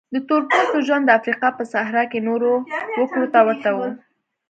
د تور پوستو ژوند د افریقا په صحرا کې نورو وګړو ته ورته و.